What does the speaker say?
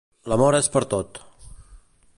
L'amor és per tot.